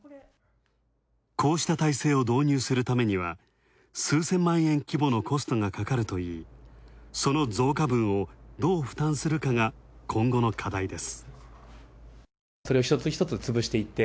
こうした体制を導入するためには数千万円規模のコストがかかるといい、その増加分をどう負担するかが今後の課題です。